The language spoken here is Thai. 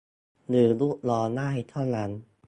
หรือลูกน้องได้เท่านั้น